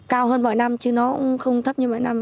cao hơn mọi năm chứ nó cũng không thấp như mỗi năm